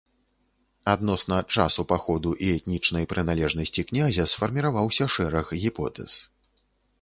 Адносна часу паходу і этнічнай прыналежнасці князя сфарміраваўся шэраг гіпотэз.